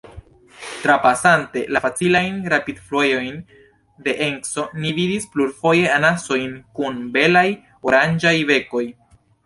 Trapasante la facilajn rapidfluejojn de Enco, ni vidis plurfoje anasojn kun belaj oranĝaj bekoj.